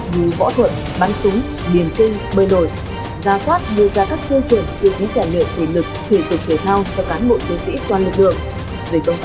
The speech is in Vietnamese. như võ thuận bắn súng biển kinh bơi đổi gia sát đưa ra các tiêu chuẩn để chia sẻ lượng thể lực thể dục thể thao cho cán bộ chiến sĩ toàn lực lượng